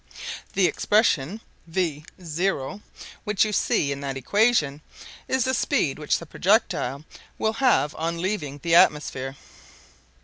"The expression v zero, which you see in that equation, is the speed which the projectile will have on leaving the atmosphere."